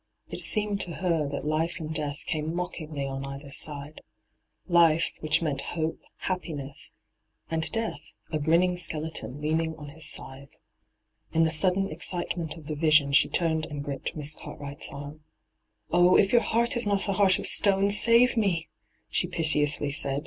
It seemed to her that life and death came mockingly on either side — Life, which meant hope, happiness ; and Death, a grinning skeleton leaning on his scythe. In the sudden excitement of the vision she tnmed and gripped Miss Cartwright's arm. * Oh, if your heart is not a heart of stone, save me I' she piteously said.